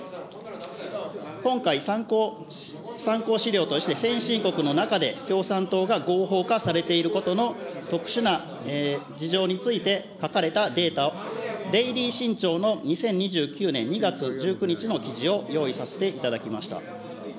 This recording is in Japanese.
今回、参考資料として先進国の中で、共産党が合法化されていることの特殊な事情について書かれたデータを、デイリー新潮の２０２９年２月の記事を用意させていただきました。